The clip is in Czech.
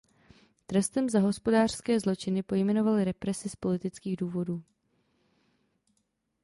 Trestem za hospodářské zločiny pojmenovali represi z politických důvodů.